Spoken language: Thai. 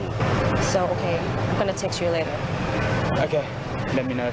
ถ้าต้องกระทำความผิดฐานก็ต้องกะทำครับไม่เป็นไร